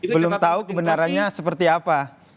belum tahu kebenarannya seperti apa